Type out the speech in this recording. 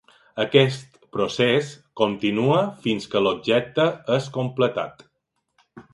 Aquest procés continua fins que l'objecte és completat.